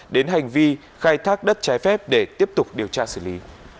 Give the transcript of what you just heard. đến hành vi khai thác đất trái phép để tiếp tục điều tra xử lý